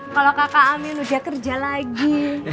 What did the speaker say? kalau kakak amin udah kerja lagi